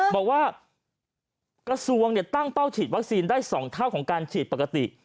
บอกว่ากระทรวงตั้งเป้าฉีดวัคซีนได้๒เท่าของการฉีดปกติ